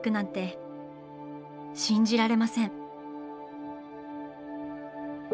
信じられません。